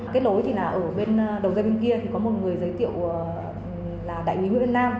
kết lối thì là ở bên đầu dây bên kia thì có một người giấy triệu là đại quý nguyễn văn nam